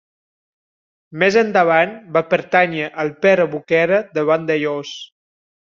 Més endavant va pertànyer al Pere Boquera de Vandellòs.